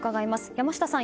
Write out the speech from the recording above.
山下さん